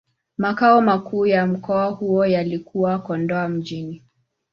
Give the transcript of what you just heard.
Makao makuu ya mkoa huo yalikuwa Kondoa Mjini.